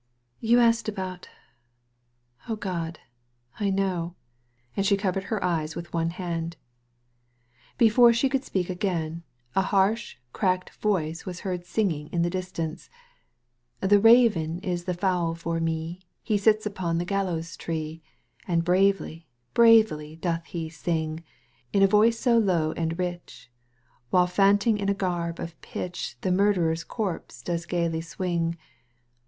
You asked about Oh, God ! I know ;" and she covered her eyes with one hand. Digitized by Google THE MAD GARDENER in Before she could speak again, a harsh, cracked voice was heard singing in the distance :— ''The rayen ii the fowl for me, He sits apon the gaHows tree, And Ym.yt\jf braydy doth he sin^ In a yoice so low and rich : While flanntiDg in a garb of pitch The murderer's corpse does gaily swing.